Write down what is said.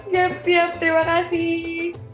siap siap terima kasih